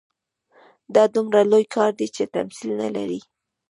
دا دومره لوی کار دی چې تمثیل نه لري.